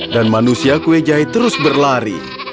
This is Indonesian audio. dan manusia kue jahe terus berlari